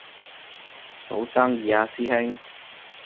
好生意啊師兄